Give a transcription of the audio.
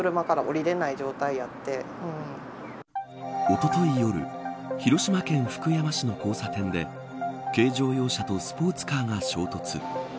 おととい夜広島県福山市の交差点で軽乗用車とスポーツカーが衝突。